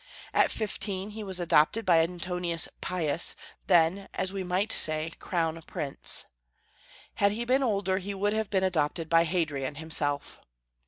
At fifteen he was adopted by Antoninus Pius, then, as we might say, "Crown Prince." Had he been older, he would have been adopted by Hadrian himself.